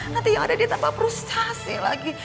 nanti yang ada dia tambah frustasi lagi